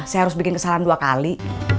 saya harus bikin kesalahan dua kali